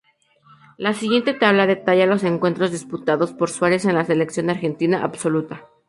La siguiente tabla detalla los encuentros disputados por Suárez en la Selección Argentina Absoluta.